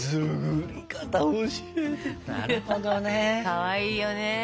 かわいいよね。